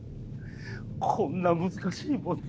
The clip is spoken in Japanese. こんな難しい問題！